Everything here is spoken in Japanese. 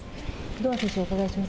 堂安選手にお伺いします。